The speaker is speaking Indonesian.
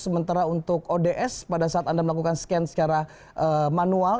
sementara untuk ods pada saat anda melakukan scan secara manual